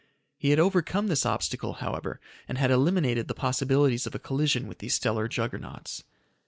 He had overcome this obstacle, however, and had eliminated the possibilities of a collision with these stellar juggernauts.